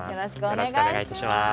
よろしくお願いします。